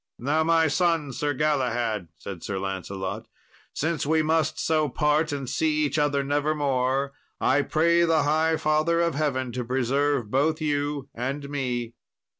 "Now, my son, Sir Galahad," said Sir Lancelot, "since we must so part and see each other never more, I pray the High Father of Heaven to preserve both you and me."